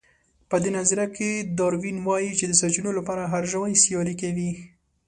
په دې نظريه کې داروېن وايي چې د سرچينو لپاره هر ژوی سيالي کوي.